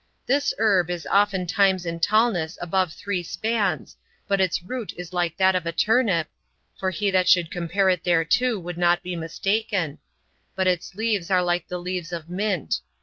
This herb is oftentimes in tallness above three spans, but its root is like that of a turnip [for he that should compare it thereto would not be mistaken]; but its leaves are like the leaves of mint.